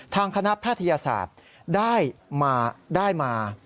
ทางคณะภาธิยาศาสตร์ได้มาได้มา